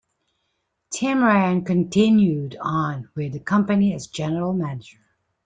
Tim Ryan continued on with the company as general manager.